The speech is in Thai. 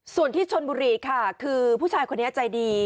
ส่วนที่ชนบุรีค่ะคือผู้ชายคนนี้ใจดี